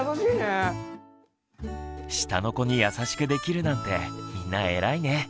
下の子に優しくできるなんてみんなえらいね。